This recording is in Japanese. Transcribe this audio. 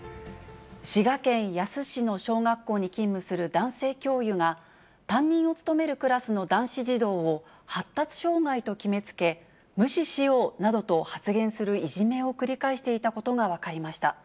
滋賀県野洲市の小学校に勤務する男性教諭が、担任を務めるクラスの男子児童を発達障がいと決めつけ、無視しようなどと発言するいじめを繰り返していたことが分かりました。